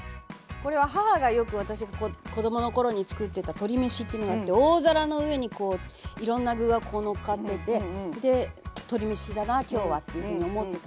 これは母がよく私が子どもの頃に作ってた鶏めしっていうのがあって大皿の上にこういろんな具がのっかってて「鶏めしだな今日は」っていうふうに思ってた。